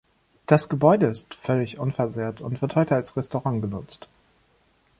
Das Gebäude ist völlig unversehrt und wird heute als Restaurant genutzt.